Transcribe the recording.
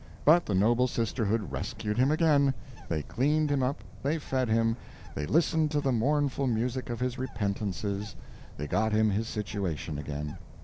But the noble sisterhood rescued him again. They cleaned him up, they fed him, they listened to the mournful music of his repentances, they got him his situation again.